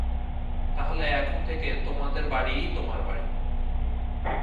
তাহলে এখন থেকে, আমাদের বাড়িই তোমার বাড়ি।